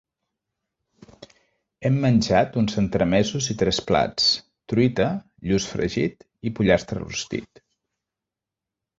Hem menjat uns entremesos i tres plats: truita, lluç fregit i pollastre rostit.